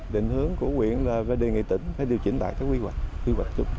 định hướng của huyện là về đề nghị tỉnh phải điều chỉnh lại các quy hoạch